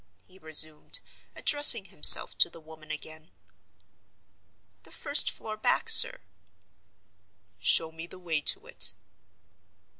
he resumed, addressing himself to the woman again. "The first floor back, sir." "Show me the way to it."